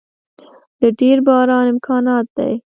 د ډیر باران امکانات دی